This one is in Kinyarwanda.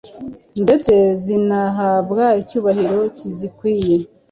ndetse zinahabwa icyubahiro. kizikwiye